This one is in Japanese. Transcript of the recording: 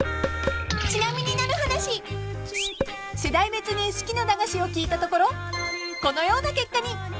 ［世代別に好きな駄菓子を聞いたところこのような結果に］